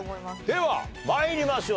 では参りましょう。